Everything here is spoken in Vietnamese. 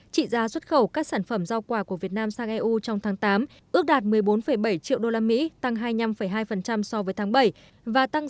trị giá xuất khẩu các sản phẩm rau quả của việt nam sang eu trong tháng tám ước đạt một mươi bốn bảy triệu usd tăng hai mươi năm hai so với tháng bảy và tăng sáu